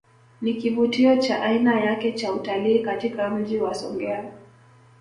Ni kivutio cha aina yake cha utalii katika Mji wa Songea